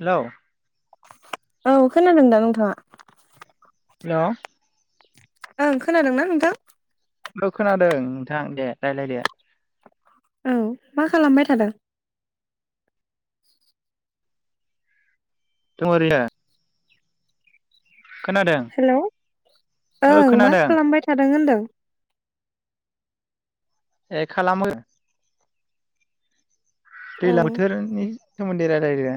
Hello औ खोनादों दा नोंथाङा? हेलौ ओं खोनादोंना नोंथां? ओ खोनादों नोंथां दे रायलायदो औ मा खालामबाय थादों? दं ओरैयो हेलौ ओ ओं मा खोनादों खालामबाय थादों होनदों? [inaudible] ए खालाम म औ दैज्लां बोथोरनि सोमोनन्दै रायलायनो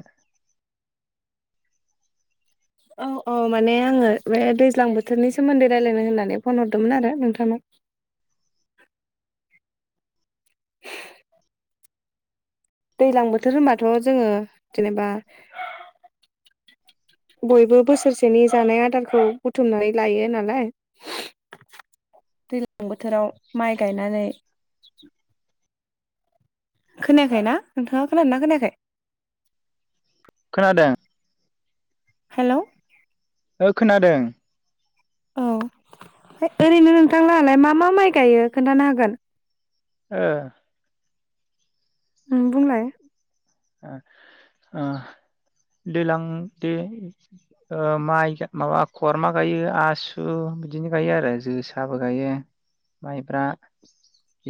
औ औ माने आङो बे दैज्लां बोथोरनि सोमोन्दै रायजलायनो होननानै फन हरदोंमोन आरो नोंथांनाव दैलां बोथोर होनबाथ' जोङो जेनेबा बयबो बोसोरसेनि जानाय आदारखौ बुथुमनानै लायो नालाय दैज्लां बोथोराव माइ गायनानै खोनायाखै ना नोंथाङा खोनादों ना खोनायाखै? खोनादों हेलौ ओ खोनादों औ ओरैनो नोंथांलाहालाय मा मा माइ गायो खोन्थानो हागोन? ओ ओं बुंलाय ओ दैज्लां दै माइ ओ माबा खरमा गायो आसु बिदिनो गायो आरो जोसाबो गायो माइब्रा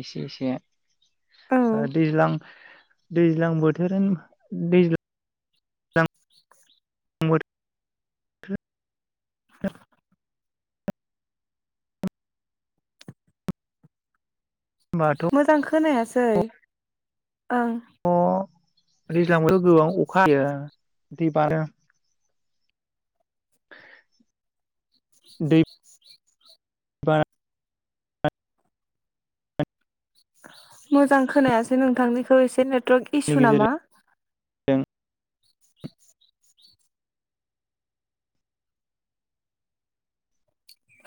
एसे एसे औ दैज्लां दैज्लां बोथ बोधोरोम दैज्लां [unintelligible] [inaudible] होनबाथ' मोजां खोनायासै ओं अ दैज्लां [unintelligible] [unintelligible] [inaudible] दैेप बारा मोजां खोनायासै नोंथांनिखौ एसे ड्रग इसु गेजेरजों नामा जों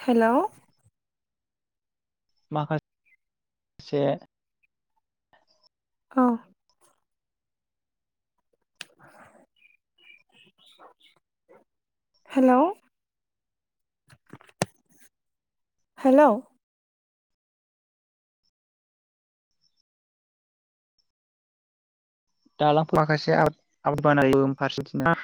हेल' माखाासे औ हेलौ हेलौ दालां माखासे आब बान फारसेथिं